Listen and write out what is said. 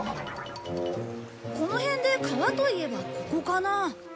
この辺で川といえばここかなあ。